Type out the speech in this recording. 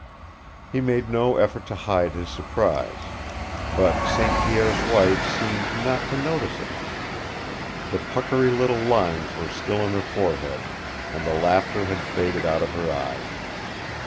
He made no effort to hide his surprise. But St. Pierre's wife seemed not to notice it. The puckery little lines were still in her forehead, and the laughter had faded out of her eyes.